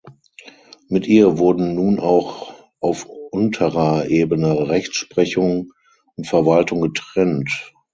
Mit ihr wurden nun auch auf unterer Ebene Rechtsprechung und Verwaltung getrennt.